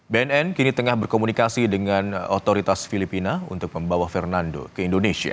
bnn kini tengah berkomunikasi dengan otoritas filipina untuk membawa fernando ke indonesia